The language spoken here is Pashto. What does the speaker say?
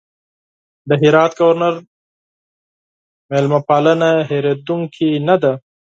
د هرات د ګورنر مېلمه پالنه هېرېدونکې نه ده.